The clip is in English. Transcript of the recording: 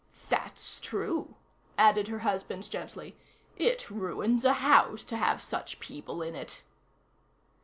"That's true," added her husband, gently; "it ruins a house to have such people in it."